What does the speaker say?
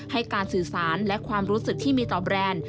ให้การสื่อสารและความรู้สึกที่มีต่อแบรนด์